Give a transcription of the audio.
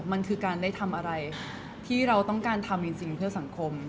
มันคือการได้ทำอะไรที่เราต้องการทำจริงเพื่อสังคม